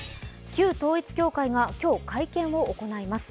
旧統一教会が今日会見を行います。